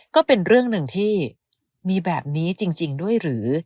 ก็เป็นเรื่องหนึ่งที่มีแบบนี้จริงด้วยหรือ